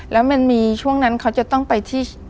แล้วมันมีช่วงนั้นเขาจะต้องไปที่